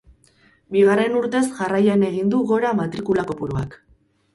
Bigarren urtez jarraian egin du gora matrikulakopuruak.